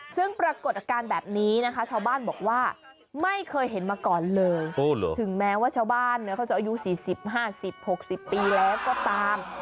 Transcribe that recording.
ซึ่งปรากฏอาการแบบนี้นะคะชาวบ้านบอกว่าไม่เคยเห็นมาก่อนเลยถึงแม้ว่าชาวบ้านเขาจะอายุ๔๐๕๐๖๐ปีแล้วก็ตาม